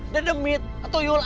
danemit atau yul